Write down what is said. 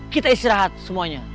kita istirahat semuanya